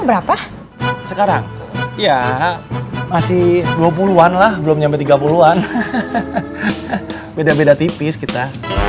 berapa sekarang ya masih dua puluh an lah belum sampai tiga puluh an beda beda tipis kita